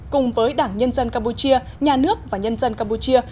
cùng với đảng nhân dân campuchia nhà nước và nhân dân campuchia